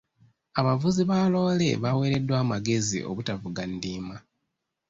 Abavuzi ba loole baaweereddwa amagezi obutavuga ndiima.